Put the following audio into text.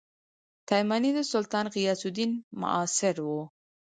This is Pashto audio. تایمنى د سلطان غیاث الدین معاصر وو.